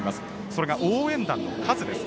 それが応援団の数です。